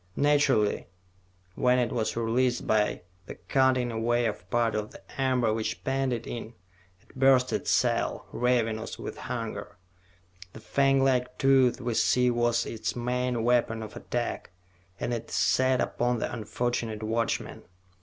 Naturally, when it was released by the cutting away of part of the amber which penned it in, it burst its cell, ravenous with hunger. The fanglike tooth we see was its main weapon of attack, and it set upon the unfortunate watchman.